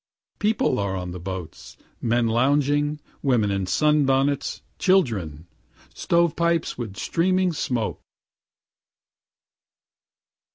People are on the boats: men lounging, women in sun bonnets, children, stovepipes with streaming smoke.